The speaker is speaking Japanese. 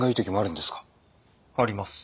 あります。